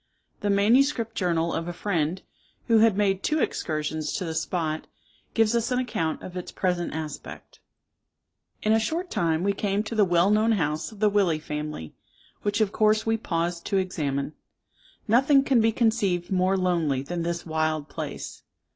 The manuscript journal of a friend, who had made two excursions to the spot, gives us an account of its present aspect. "In a short time we came to the well known house of the Willey family, which of course we paused to examine. Nothing can be conceived more lonely than this wild place.